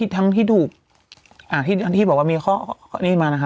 ทั้งที่ถูกทั้งที่บอกว่ามีข้อนี้มานะคะ